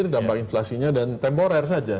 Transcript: dampak inflasinya dan temporer saja